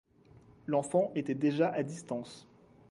L'enfant était déjà à distance.